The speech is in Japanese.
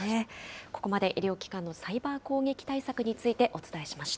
ここまで医療機関のサイバー攻撃対策についてお伝えしました。